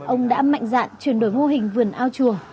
ông đã mạnh dạn chuyển đổi mô hình vườn ao chuồng